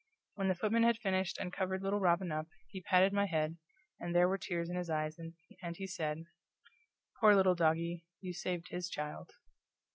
When the footman had finished and covered little Robin up, he patted my head, and there were tears in his eyes, and he said: "Poor little doggie, you saved HIS child!"